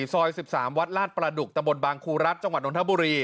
ซอย๑๓วัดลาดประดุกตะบนบางครูรัฐจังหวัดนทบุรี